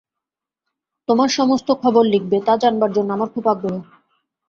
তোমার সমস্ত খবর লিখবে, তা জানবার জন্য আমার খুব আগ্রহ।